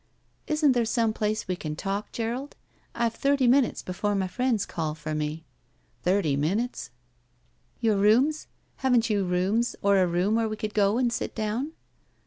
Isn't there some place we can talk, Gerald? I've thirty minutes before my friends call for me." Thirty minutes?'" 83 << (I BACK PAY "Your rooms? Haven't you rooms or a room where we could go and sit down?"